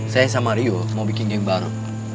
saya sama rio mau bikin game baru